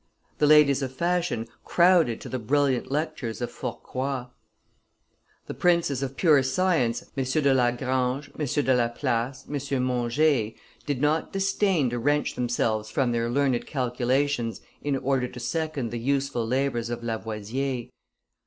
The ladies of fashion crowded to the brilliant lectures of Fourcroy. The princes of pure science, M. de Lagrange, M. de Laplace, M. Monge, did not disdain to wrench themselves from their learned calculations in order to second the useful labors of Lavoisier.